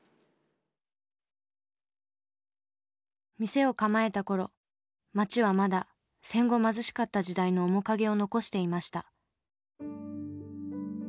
店を構えたころ街はまだ戦後貧しかった時代の面影を残していました。